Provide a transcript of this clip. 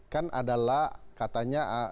kan adalah katanya